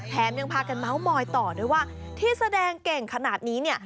ยังพากันเมาส์มอยต่อด้วยว่าที่แสดงเก่งขนาดนี้เนี่ย